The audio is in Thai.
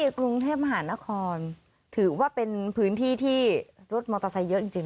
กรุงเทพมหานครถือว่าเป็นพื้นที่ที่รถมอเตอร์ไซค์เยอะจริง